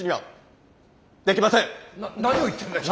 何を言ってんだ君は！